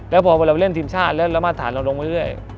แล้วพอเราไปเล่นทีมชาติแล้วมาตรฐานเราลงเรื่อย